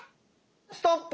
ストップ。